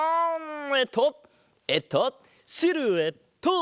えっとえっとシルエット！